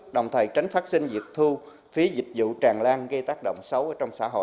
đồng thời tránh phát sinh việc thu phí dịch vụ tràn lan gây tác động xấu trong xã hội